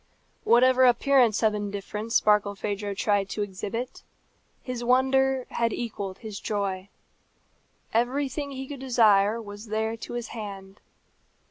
Whatever appearance of indifference Barkilphedro tried to exhibit, his wonder had equalled his joy. Everything he could desire was there to his hand.